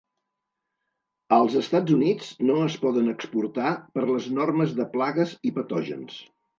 Als Estats Units no es poden exportar per les normes de plagues i patògens.